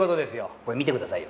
これ見てくださいよ